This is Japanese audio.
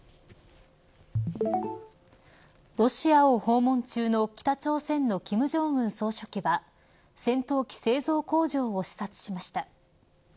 ロシアを訪問中の北朝鮮の金正恩総書記は戦闘機製造工場を視察しました。